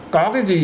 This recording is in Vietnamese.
có cái gì